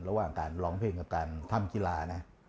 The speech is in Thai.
ระหว่างการร้องเพลงกับการทำกีฬานะ